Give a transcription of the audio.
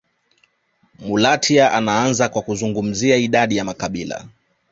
Mulatya anaanza kwa kuzungumzia idadi ya makabila